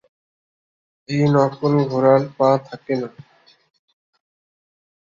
এই নকল ঘোড়ার পা থাকেনা।